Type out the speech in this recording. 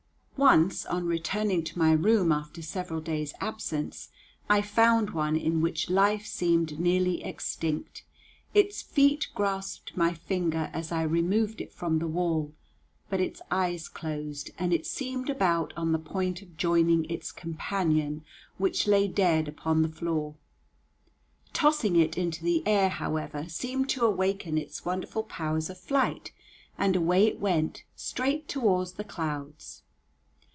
Once, on returning to my room after several days' absence, I found one in which life seemed nearly extinct; its feet grasped my finger as I removed it from the wall, but its eyes closed, and it seemed about on the point of joining its companion, which lay dead upon the floor. Tossing it into the air, however, seemed to awaken its wonderful powers of flight, and away it went straight toward the clouds.